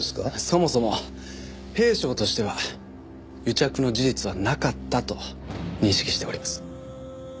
そもそも弊省としては癒着の事実はなかったと認識しております。